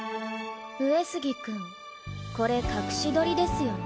上杉君これ隠し撮りですよね？